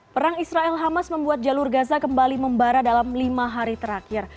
perang israel hamas membuat jalur gaza kembali membara dalam lima hari terakhir